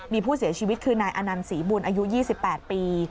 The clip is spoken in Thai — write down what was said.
มีผู้เสียชีวิตคือนายอนันต์ศรีบุญอายุ๒๘ปี